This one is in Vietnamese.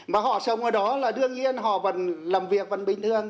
mà họ sống ở đó là đương nhiên họ vẫn làm việc vẫn bình thường